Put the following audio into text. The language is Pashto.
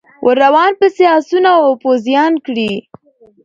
ور روان پسي آسونه او پوځیان کړی